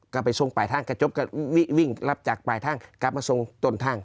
ก็ไปช่วงปลายทางกระจกก็วิ่งรับจากปลายทางกลับมาทรงต้นทาง